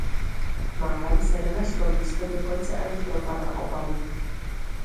Málem se nenašlo místo dokonce ani pro pana Obamu.